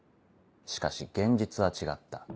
しかし現実は違った。